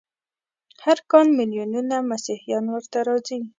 هر کال ملیونونه مسیحیان ورته راځي.